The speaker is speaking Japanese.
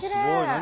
何？